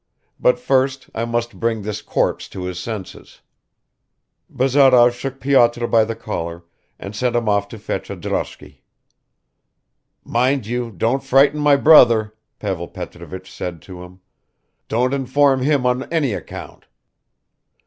But first I must bring this corpse to his senses." Bazarov shook Pyotr by the collar and sent him off to fetch a droshky. "Mind you don't frighten my brother," Pavel Petrovich said to him; "don't inform him on any account."